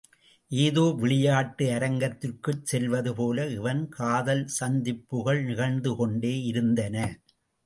ஏதோ விளையாட்டு அரங்கத்திற்குச் செல்வதுபோல இவன் காதல் சந்திப்புகள் நிகழ்ந்து கொண்டே இருந்தன.